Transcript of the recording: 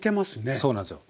そうなんですよ。